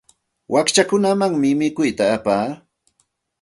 Wakchakunamanmi mikuyta apaa.